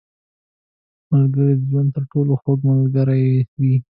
• ملګری د ژوند تر ټولو خوږ ملګری وي.